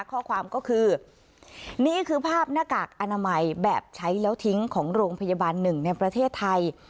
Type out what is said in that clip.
ข้อความก็คือนี่คือภาพหน้ากากอนามัยแบบใช้แล้วทิ้งของโรงพยาบาลหนึ่งในประเทศไทย